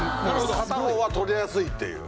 片方は盗りやすいっていう。